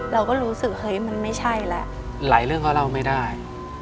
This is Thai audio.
เราก็รู้สึกเฮ้ยมันไม่ใช่แล้วหลายเรื่องก็เล่าไม่ได้